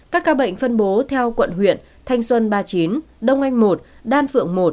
các ca bệnh phân bố theo quận huyện thanh xuân ba mươi chín đông anh một đan phượng một